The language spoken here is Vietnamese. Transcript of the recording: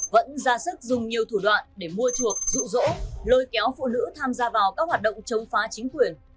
vẫn ra sức dùng nhiều thủ đoạn để mua chuộc rụ rỗ lôi kéo phụ nữ tham gia vào các hoạt động chống phá chính quyền